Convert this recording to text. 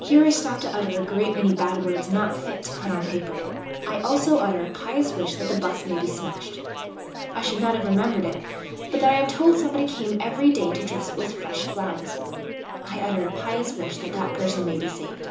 (Here I stop to utter a great many bad words, not fit to put on paper. I also utter a pious wish that the bust may be smashed.) I should not have remembered it, but that I am told somebody came every day to dress it with fresh flowers. I utter a pious wish that that person may be saved.